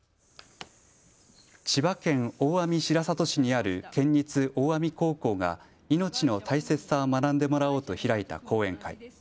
千葉県大網白里市にある県立大網高校が命の大切さを学んでもらおうと開いた講演会。